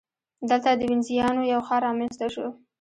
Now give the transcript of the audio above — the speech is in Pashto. دلته د وینزیانو یو ښار رامنځته شو